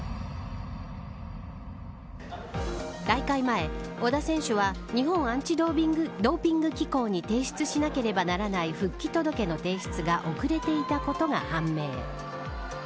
大会前、織田選手は日本アンチ・ドーピング機構に提出しなければならない復帰届の提出が遅れていたことが判明。